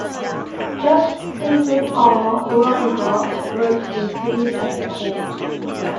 Judge Stephen R. Reinhardt wrote the opinion of the court.